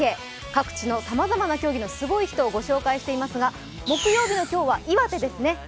各地のさまざまな競技のすごい人をご紹介していますが木曜日の今日は岩手です。